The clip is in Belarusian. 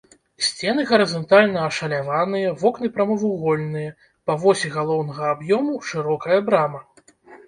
Сцены гарызантальна ашаляваныя, вокны прамавугольныя, па восі галоўнага аб'ёму шырокая брама.